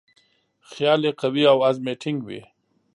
خیال یې قوي او عزم یې ټینګ وي.